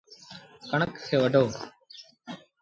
ڪڻڪ کي وڍو۔